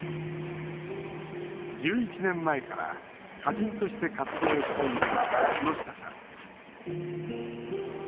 １１年前から歌人として活動している木下さん。